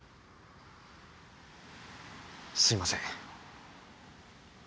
すいません。